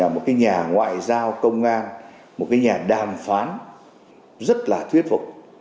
một nhà ngoại giao công an một nhà đàm phán rất là thuyết phục